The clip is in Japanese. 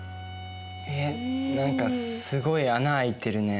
えっ何かすごい穴開いてるね。